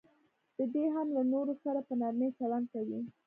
دی دې هم له نورو سره په نرمي چلند کوي.